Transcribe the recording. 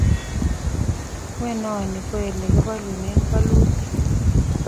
ng'wenonik ko ole kibolunen bolutik